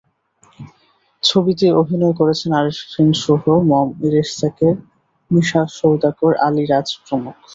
ছবিতে অভিনয় করেছেন আরিফিন শুভ, মম, ইরেশ যাকের, মিশা সওদাগর, আলীরাজ প্রমুখ।